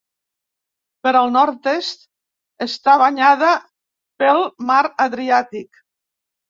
Per al nord-est està banyada pel mar Adriàtic.